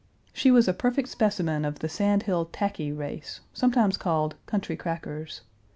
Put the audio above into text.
She was a perfect specimen of the Sandhill "tackey" race, sometimes called "country crackers."